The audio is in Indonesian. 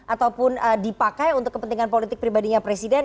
ataupun dipakai untuk kepentingan politik pribadinya presiden